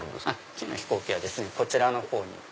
木の飛行機はこちらのほうに。